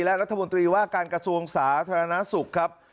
และรัฐมนตรีว่าการกระทรวงสาธารณสุขครับ